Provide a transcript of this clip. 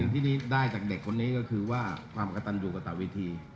สิ่งที่ได้จากเด็กคนนี้ก็คือว่าความกระตันอยู่กับต่อวิธี